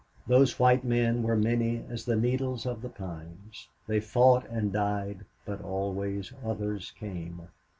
Those white men were many as the needles of the pines. They fought and died, but always others came.